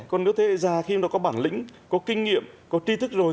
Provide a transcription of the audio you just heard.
còn nếu thế hệ già khi mà nó có bản lĩnh có kinh nghiệm có tri thức rồi